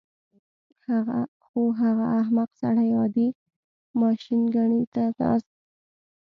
خو هغه احمق سړی عادي ماشینګڼې ته کېناست